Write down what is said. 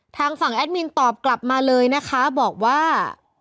ทางฝั่งแอดมินตอบกลับมาเลยนะคะบอกว่า